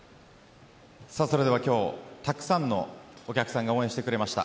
それでは今日たくさんのお客さんが応援してくださいました。